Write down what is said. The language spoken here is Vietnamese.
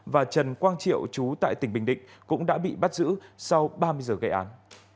và trần quang triệu chú tại tỉnh bình định cũng đã bị bắt giữ sau ba mươi giờ gây án